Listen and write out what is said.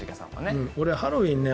俺、ハロウィーンね